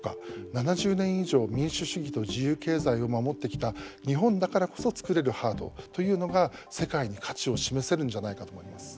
７０年以上、民主主義と自由経済を守ってきた日本だからこそ作れるハードというのが世界に価値を示せるんじゃないかと思います。